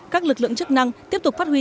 các lực lượng chức năng tiếp tục phát huy